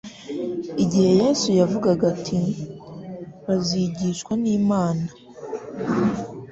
Igihe Yesu yavugaga ati «Bazigishwa n'Imana.»